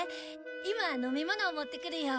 今飲み物を持ってくるよ。